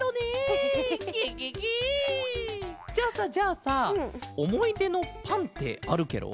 じゃあさじゃあさおもいでのパンってあるケロ？